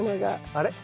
あれ？